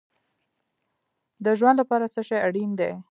د ژوند لپاره څه شی اړین دی؟